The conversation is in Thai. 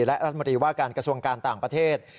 และรัฐมนตรีว่าการกระทรวงการต่างประเทศ